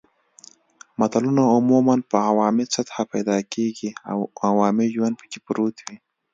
متلونه عموماً په عوامي سطحه پیدا کېږي او عوامي ژوند پکې پروت وي